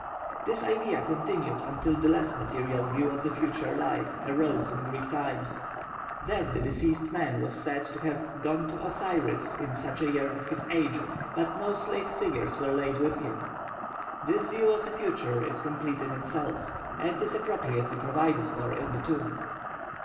This idea continued until the less material view of the future life arose in Greek times; then the deceased man was said to have 'gone to Osiris' in such a year of his age, but no slave figures were laid with him. This view of the future is complete in itself, and is appropriately provided for in the tomb.